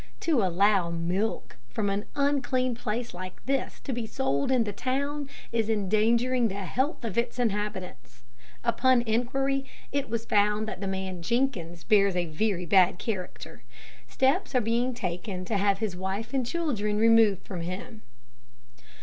To allow milk from an unclean place like this to be sold in the town, is endangering the health of its inhabitants. Upon inquiry, it was found that the man Jenkins bears a very bad character. Steps are being taken to have his wife and children removed from him.'"